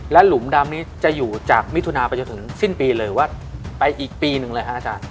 หลุมดำนี้จะอยู่จากมิถุนาไปจนถึงสิ้นปีเลยว่าไปอีกปีหนึ่งเลยฮะอาจารย์